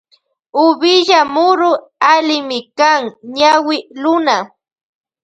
Uvilla muru allimikan ñawi luna.